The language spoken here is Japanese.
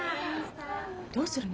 どうするの？